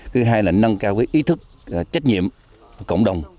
thứ hai là nâng cao ý thức trách nhiệm cộng đồng